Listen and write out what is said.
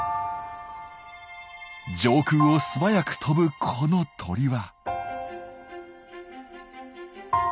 上空を素早く飛ぶこの鳥は。